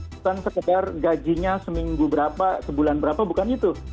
bukan sekedar gajinya seminggu berapa sebulan berapa bukan itu